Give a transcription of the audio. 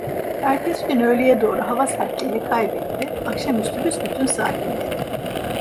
Ertesi gün öğleye doğru hava sertliğini kaybetti, akşamüstü büsbütün sakinledi.